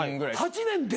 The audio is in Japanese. ８年で？